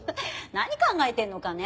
何考えてるのかねえ？